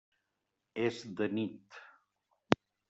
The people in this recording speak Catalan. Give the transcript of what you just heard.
És de nit.